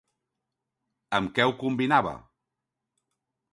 Amb què ho combinava?